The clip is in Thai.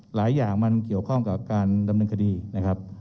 หลายอย่างมันเกี่ยวข้องกับการดำเนินคดีนะครับ